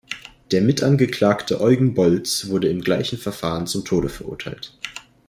Der Mitangeklagte Eugen Bolz wurde im gleichen Verfahren zum Tode verurteilt.